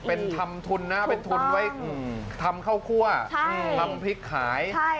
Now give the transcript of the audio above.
เป็นทำทุนนะทำข้าวคั่วทำพริกขาย